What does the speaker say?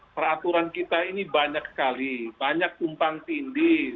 peraturan kita ini banyak sekali banyak tumpang tindih